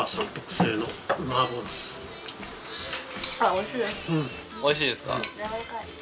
美味しいですか？